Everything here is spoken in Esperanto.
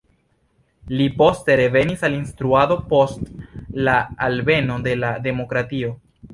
Li poste revenis al instruado post la alveno de la demokratio.